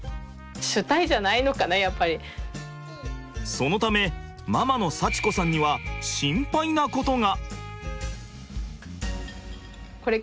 そのためママの幸子さんには心配なことが。